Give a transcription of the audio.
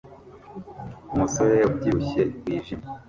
Umusore wabyibushye wijimye